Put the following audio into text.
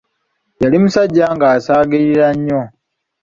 Yali musajja ng'asaagirira nnyo.